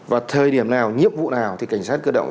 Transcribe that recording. và thời điểm nào nhiệm vụ nào thì cảnh sát cơ động